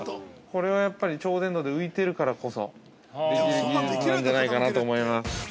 これは、やっぱり超伝導で浮いてるからこそできる技術なんじゃないかなと思います。